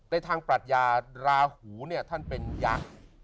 ในทางปรัชญาราหูเนี่ยท่านเป็นยักษ์